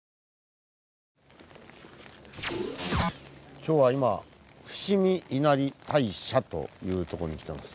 今日は今伏見稲荷大社というとこに来てます。